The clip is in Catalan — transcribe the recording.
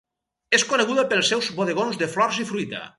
És coneguda pels seus bodegons de flors i fruita.